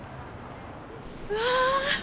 うわ！